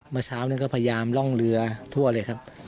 เมื่อเช้านี้ก็พยายามร่องเรือทั่วเลยครับ